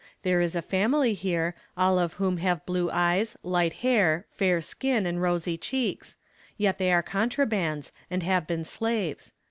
There is a family here, all of whom have blue eyes, light hair, fair skin and rosy cheeks; yet they are contrabands, and have been slaves.